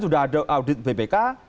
sudah ada audit bpk